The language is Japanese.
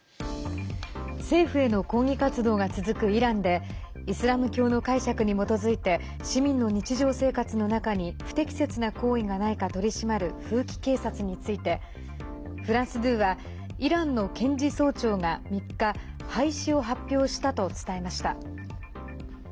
政府への抗議活動が続くイランでイスラム教の解釈に基づいて市民の日常生活の中に不適切な行為がないか取り締まる風紀警察についてフランス２はイランの検事総長が３日廃止を発表したと伝えました。